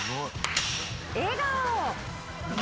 笑顔。